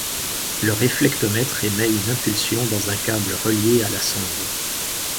Le réflectomètre émet une impulsion dans un câble relié à la sonde.